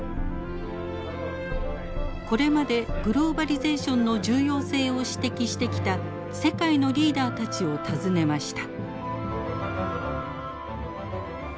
これまでグローバリゼーションの重要性を指摘してきた世界のリーダーたちを訪ねました。